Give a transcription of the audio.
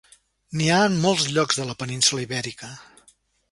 N'hi ha en molts llocs de la península Ibèrica.